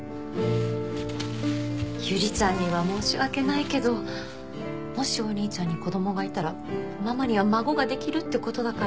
ゆりちゃんには申し訳ないけどもしお兄ちゃんに子供がいたらママには孫ができるって事だから。